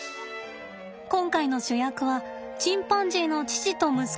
今回の主役はチンパンジーの父と息子です。